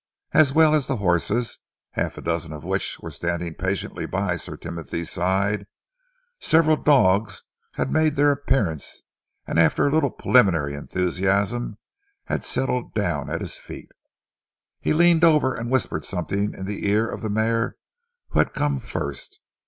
As well as the horses, half a dozen of which were standing patiently by Sir Timothy's side, several dogs had made their appearance and after a little preliminary enthusiasm had settled down at his feet. He leaned over and whispered something in the ear of the mare who had come first.